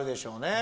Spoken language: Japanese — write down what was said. え！